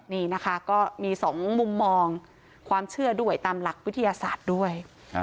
นี่นะคะก็มีสองมุมมองความเชื่อด้วยตามหลักวิทยาศาสตร์ด้วย